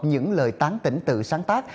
những lời tán tỉnh tự sáng tác